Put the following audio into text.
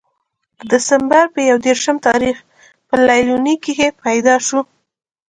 د دسمبر پۀ يو ديرشم تاريخ پۀ ليلوڼۍ کښې پېداشو